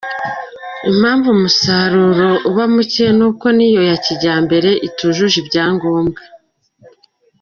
Impamvu umusaruro uba muke ni uko n’iyo ya kijyambere, itujuje ibyangombwa.